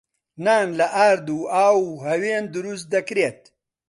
نان لە ئارد و ئاو و هەوێن دروست دەکرێت.